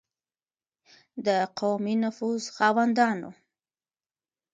د قومي نفوذ خاوندانو.